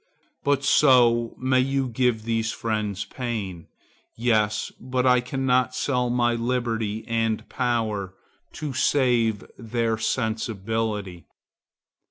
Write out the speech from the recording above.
'—But so may you give these friends pain. Yes, but I cannot sell my liberty and my power, to save their sensibility.